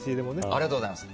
ありがとうございます。